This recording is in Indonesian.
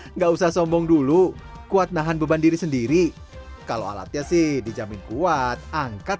enggak usah sombong dulu kuat nahan beban diri sendiri kalau alatnya sih dijamin kuat angkat